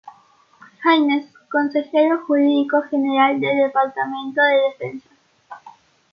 Haynes, Consejero Jurídico General del Departamento de Defensa.